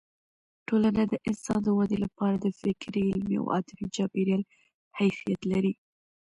ټولنه د انسان د ودې لپاره د فکري، علمي او عاطفي چاپېریال حیثیت لري.